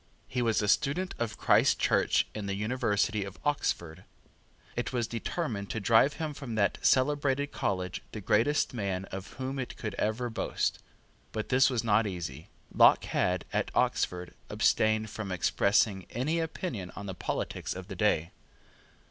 He was a student of Christ Church in the University of Oxford. It was determined to drive from that celebrated college the greatest man of whom it could ever boast. But this was not easy. Locke had, at Oxford, abstained from expressing any opinion on the politics of the day.